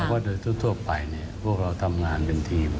เพราะว่าโดยทั่วไปพวกเราทำงานเป็นทีม